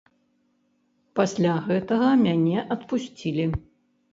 Пасля гэтага мяне адпусцілі.